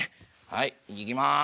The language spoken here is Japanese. はいいきます。